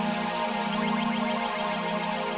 gue ngeri kalau uda berhubungan sama polisi